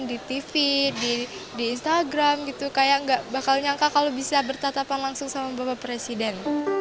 rasanya itu seneng seneng banget karena itu kayak gak bakal nyangka kalau bisa bertatapan langsung sama bapak presiden